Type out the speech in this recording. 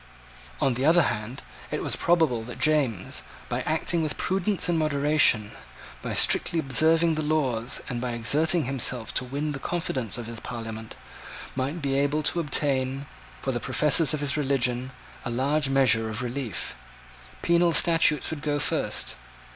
On the other hand, it was probable that James, by acting with prudence and moderation, by strictly observing the laws and by exerting himself to win the confidence of his Parliament, might be able to obtain, for the professors of his religion, a large measure of relief. Penal statutes would go first.